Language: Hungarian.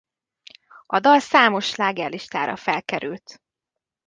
A dal számos slágerlistára felkerült.